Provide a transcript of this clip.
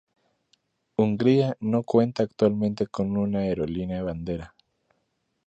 Hungría no cuenta actualmente con una aerolínea bandera.